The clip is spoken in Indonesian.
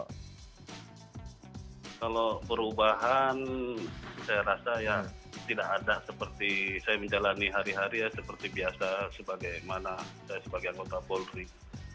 kalau perubahan saya rasa tidak ada seperti saya menjalani hari hari seperti biasa sebagai anggota polri